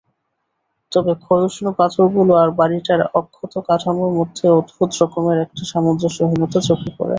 তবে ক্ষয়িষ্ণু পাথরগুলো আর বাড়িটার অক্ষত কাঠামোর মধ্যে অদ্ভুত রকমের একটা সামঞ্জস্যহীনতা চোখে পড়ে।